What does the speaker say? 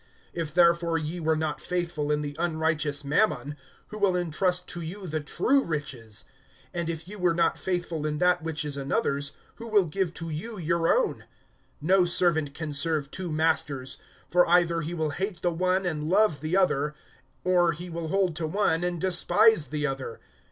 (11)If therefore ye were not faithful in the unrighteous mammon, who will entrust to you the true riches? (12)And if ye were not faithful in that which is another's, who will give to you your own? (13)No servant can serve two masters; for either he will hate the one, and love the other, or he will hold to one, and despise the other.